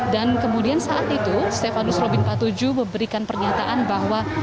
dan kemudian saat itu stefanus robin empat puluh tujuh memberikan pernyataan bahwa